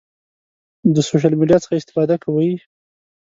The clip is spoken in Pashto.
د سوشل میډیا څخه استفاده کوئ؟